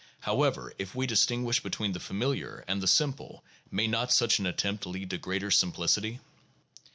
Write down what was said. However, if we distinguish between the familiar and the simple, may not such an attempt lead to greater simplicity